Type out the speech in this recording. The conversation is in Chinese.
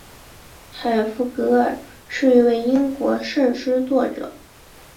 海弗格尔是一位英国圣诗作者。